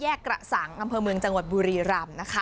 กระสังอำเภอเมืองจังหวัดบุรีรำนะคะ